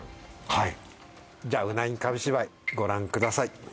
はいじゃあうなぎ紙芝居ご覧ください